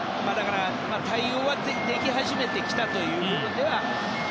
対応ができ始めてきた部分では。